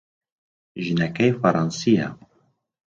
ژنەکەی فەڕەنسییە.